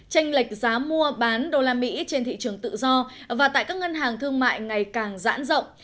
tranh lệch giá mua bán đô la mỹ trên thị trường tự do và tại các ngân hàng thương mại ngày càng giãn rộng